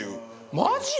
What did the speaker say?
マジで？